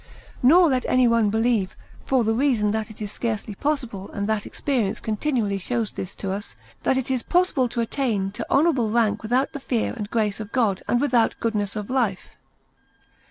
Nor let anyone believe, for the reason that it is scarcely possible and that experience continually shows this to us, that it is possible to attain to honourable rank without the fear and grace of God and without goodness of life.